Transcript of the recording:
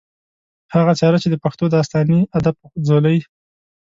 هغه څېره چې د پښتو داستاني ادب پۀ ځولۍ